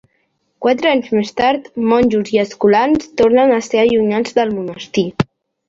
Quatre anys més tard, monjos i escolans tornen a ser allunyats del monestir.